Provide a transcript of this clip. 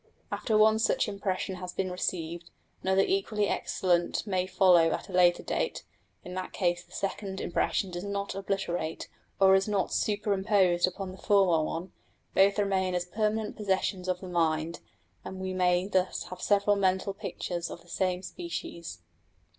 After one such impression has been received, another equally excellent may follow at a later date: in that case the second impression does not obliterate, or is not superimposed upon the former one; both remain as permanent possessions of the mind, and we may thus have several mental pictures of the same species.